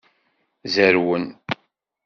Zerwen.